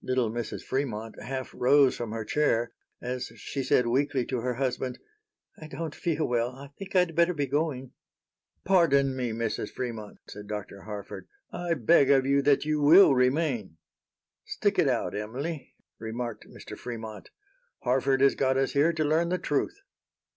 Little Mrs. Fremont half rose from her chair, as she said weakly to her husband: "I don't feel well. I think I'd better be going." "Pardon me, Mrs. Fremont," said Dr. Harford, "I beg of you that you will remain." "Stick it out, Emily," remarked Mr. Fremont. "Harford has got us here to learn the truth."